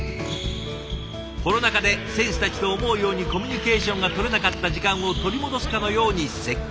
コロナ禍で選手たちと思うようにコミュニケーションがとれなかった時間を取り戻すかのように積極的に。